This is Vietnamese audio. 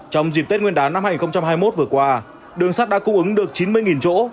trong dịp tết nguyên đán năm hai nghìn hai mươi một vừa qua đường sắt đã cung ứng được chín mươi chỗ